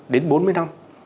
đến bốn mươi năm